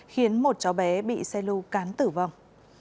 khiến một cháu bé bị xe lưu cán tử vong